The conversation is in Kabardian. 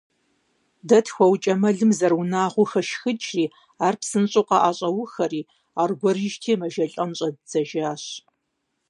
Дэ тхуаукӀа мэлым зэрыунагъуэу хэшхыкӀри, ар псынщӀэу къаӀэщӀэухэри, аргуэрыжьти, мэжэлӀэн щӀэддзэжащ.